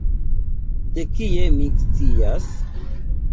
De kie mi scias?